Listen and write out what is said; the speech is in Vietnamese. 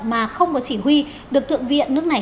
mà không có chỉ huy được thượng viện nước này